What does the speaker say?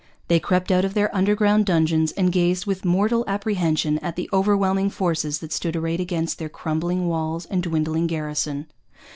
They crept out of their underground dungeons and gazed with mortal apprehension at the overwhelming forces that stood arrayed against their crumbling walls and dwindling garrison.